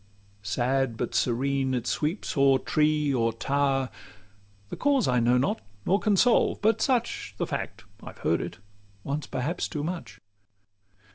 Sad, but serene, it sweeps o'er tree or tower; The cause I know not, nor can solve; but such The fact: I've heard it once perhaps too much.